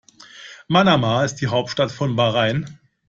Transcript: Manama ist die Hauptstadt von Bahrain.